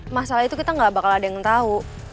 masalah itu kita gak bakal ada yang tahu